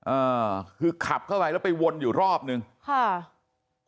อ่าคือขับเข้าไปแล้วไปวนอยู่รอบนึงค่ะ